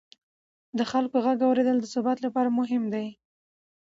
د خلکو غږ اورېدل د ثبات لپاره مهم دي